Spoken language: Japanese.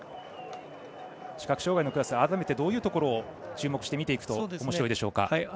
視覚障がいのクラス改めて、どういうところを注目して見ていくとおもしろいですか。